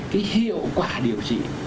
cái hiệu quả điều trị